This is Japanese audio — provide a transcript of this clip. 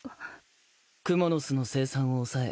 蜘蛛の巣の生産を抑え